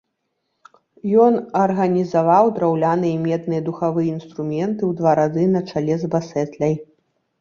Ён арганізаваў драўляныя і медныя духавыя інструменты ў два рады на чале з басэтляй.